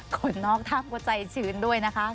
คนนอกท่ามก็ใจชื่นด้วยนะครับ